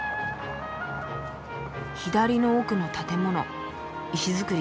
左の奥の建物石造りで立派。